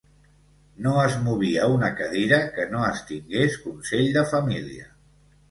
No es movia una cadira que no es tingués consell de família